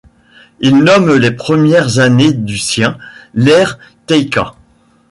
Il nomme les premières années du sien, l'ère Taika.